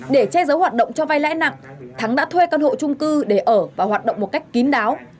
để che giấu hoạt động cho vay lãi nặng thắng đã thuê căn hộ trung cư để ở và hoạt động một cách kín đáo